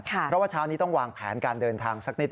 เพราะว่าเช้านี้ต้องวางแผนการเดินทางสักนิด